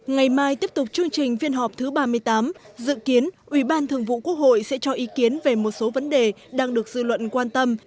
ngày mai tiếp tục chương trình phiên họp thứ ba mươi tám dự kiến ủy ban thường vụ quốc hội sẽ cho ý kiến về một số vấn đề đang được dư luận quan tâm